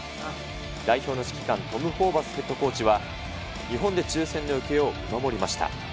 代表の指揮官、トム・ホーバスヘッドコーチは、日本で抽せんの行方を見守りました。